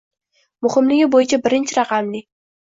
Muhimligi bo’yicha birinchi raqamli.